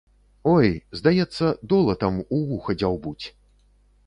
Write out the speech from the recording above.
Ой, здаецца, долатам у вуха дзяўбуць.